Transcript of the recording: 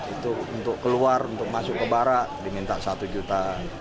itu untuk keluar untuk masuk ke barak diminta satu juta